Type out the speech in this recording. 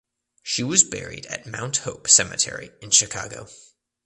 She was buried at Mount Hope Cemetery in Chicago.